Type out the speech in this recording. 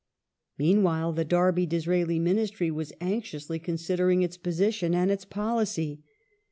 The Con Meanwhile the Derby Disraeli Ministry was anxiously consider and re ^^S ^^ position and its policy.